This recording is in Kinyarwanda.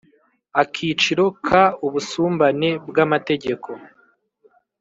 Akiciro ka ubusumbane bw amategeko